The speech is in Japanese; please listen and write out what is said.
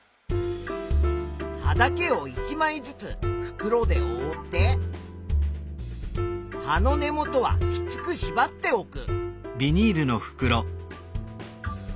葉だけを１まいずつ袋でおおって葉の根元はきつくしばっておく。